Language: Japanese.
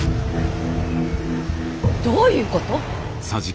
どういうこと。